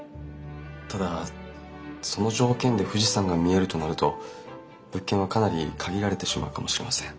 ただその条件で富士山が見えるとなると物件はかなり限られてしまうかもしれません。